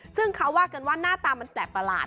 ซึ่งเขาว่ากันว่าหน้าตามันแปลกประหลาด